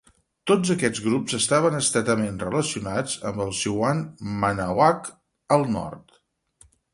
Tots aquests grups estaven estretament relacionats amb el Siouan Manahoac al nord.